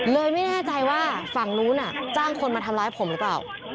ไม่แน่ใจว่าฝั่งนู้นจ้างคนมาทำร้ายผมหรือเปล่า